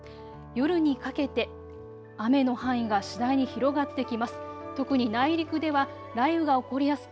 夜にかけて雨の範囲が次第に広がってきます。